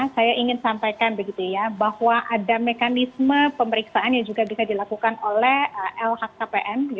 saya ingin sampaikan bahwa ada mekanisme pemeriksaan yang juga bisa dilakukan oleh lhkpn